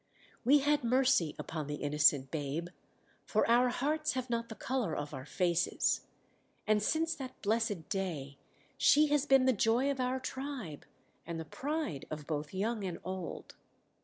We had mercy upon the innocent babe, for our hearts have not the colour of our faces; and since that blessed day she has been the joy of our tribe and the pride of both young and old.